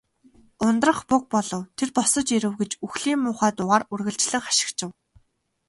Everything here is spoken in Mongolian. "Ундрах буг болов. Тэр босож ирэв" гэж үхлийн муухай дуугаар үргэлжлэн хашхичив.